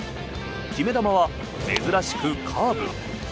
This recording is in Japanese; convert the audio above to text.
決め球は珍しくカーブ。